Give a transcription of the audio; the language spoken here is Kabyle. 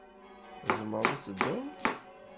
Tzemreḍ ad tedduḍ?